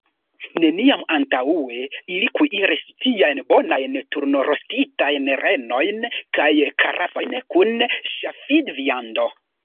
Neniam antaŭe ili kuiris tiajn bonajn turnrostitajn renojn kaj karasojn kun ŝafidviando.